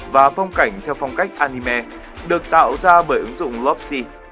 và phong cảnh theo phong cách anime được tạo ra bởi ứng dụng lopsy